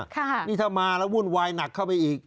ค่ะนี่ถ้ามาแล้ววุ่นวายหนักเข้าไปอีก